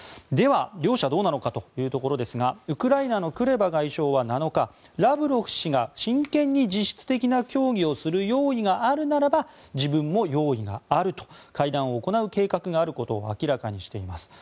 では、両者どうなのかというところですがウクライナのクレバ外相は７日ラブロフ氏が真剣に実質的な協議をする用意があるならば自分も用意があると会談がある計画を明らかにしています。